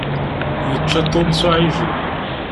Yečča Tom s uɛijel.